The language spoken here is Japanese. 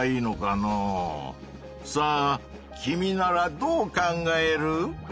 さあ君ならどう考える？